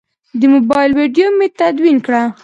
د موبایل ویدیو مې تدوین کړه.